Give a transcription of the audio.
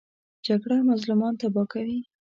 جګړه مظلومان تباه کوي